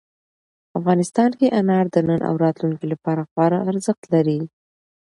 افغانستان کې انار د نن او راتلونکي لپاره خورا ارزښت لري.